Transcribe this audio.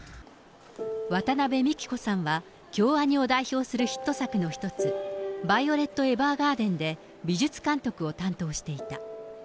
渡邊美希子さんは、京アニを代表するヒット作の一つ、ヴァイオレット・エヴァーガーデンで美術監督を担当していた。